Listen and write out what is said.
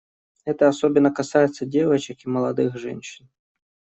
Это особенно касается девочек и молодых женщин.